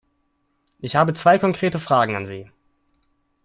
Ich habe zwei konkrete Fragen an Sie.